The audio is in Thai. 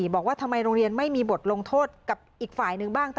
บอกว่าทำไมโรงเรียนไม่มีบทลงโทษกับอีกฝ่ายหนึ่งบ้าง